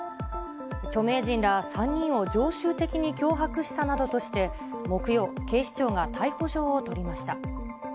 著名人ら３人を常習的に脅迫したなどとして、木曜、警視庁が逮捕状を取りました。